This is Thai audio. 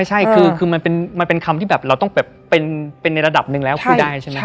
ใช่คือมันเป็นคำที่แบบเราต้องแบบเป็นในระดับหนึ่งแล้วพูดได้ใช่ไหม